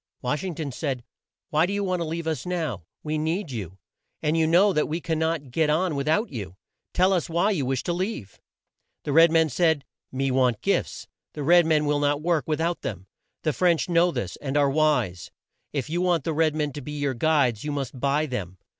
Wash ing ton said, "Why do you want to leave us now? We need you, and you know that we can not get on with out you. Tell us why you wish to leave." The red man said, "Me want gifts. The red men will not work with out them. The French know this, and are wise. If you want the red men to be your guides, you must buy them.